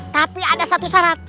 tapi ada satu hal yang saya inginkan